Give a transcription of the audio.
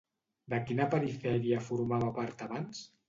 De quina perifèria formava part abans?